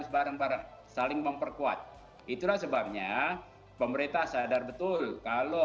untuk memulihkan ekonomi nasional